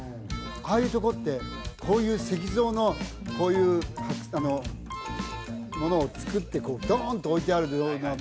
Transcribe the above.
ああいうとこってこういう石像のこういうものを作ってこうドーンと置いてあるような